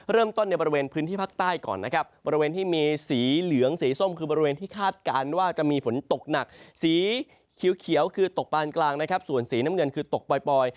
เริ่มต้นในบริเวณพื้นที่ภาคใต้ก่อนนะครับบริเวณที่มีสีเหลืองสีส้มคือบริเวณที่คาดการณ์ว่าจะมีฝนตกหนักสีเขียวคือตกปานกลางนะครับส่วนสีน้ำเงินคือตกปล่อย